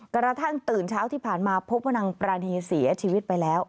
กระทั่งตื่นเช้าที่ผ่านมาพบว่านางปรานีเสียชีวิตไปแล้ว